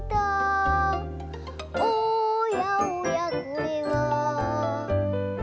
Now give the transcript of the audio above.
「おやおやこれは」